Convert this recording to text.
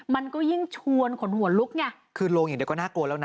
มันก็ยิ่งชวนขนหัวลุกไงคือลงอย่างเดียวก็น่ากลัวแล้วนะ